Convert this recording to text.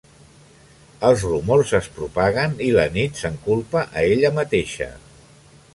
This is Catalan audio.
Els rumors es propaguen i l'Enide se'n culpa a ella mateixa.